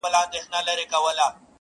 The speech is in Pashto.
زرین لوښي یې کتار کړل غلامانو٫